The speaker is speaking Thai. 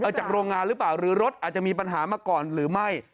จากโรงงานหรือเปล่าหรือรถอาจจะมีปัญหามาก่อนหรือไม่